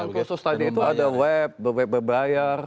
account khusus tadi itu ada web web berbayar